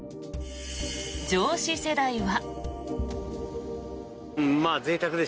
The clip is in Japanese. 上司世代は。